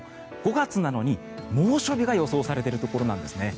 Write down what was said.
５月なのに猛暑日が予想されているところなんですね。